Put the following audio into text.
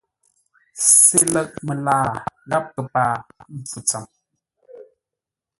Sê ləʼ məlaa gháp kəpaa mpfu tsəm.